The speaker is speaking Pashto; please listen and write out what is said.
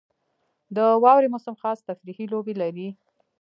• د واورې موسم خاص تفریحي لوبې لري.